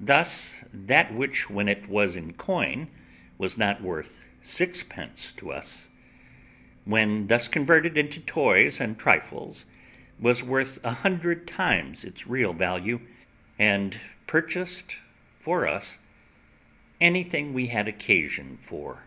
Thus, that which when it was in coin was not worth sixpence to us, when thus converted into toys and trifles, was worth a hundred times its real value, and purchased for us anything we had occasion for.